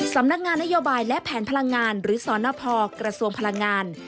สำนักงานนโยบายและแผนพลังงานหรือสนพกระทรวงพลังงาน